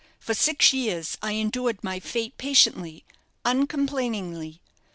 For six years I endured my fate patiently, uncomplainingly.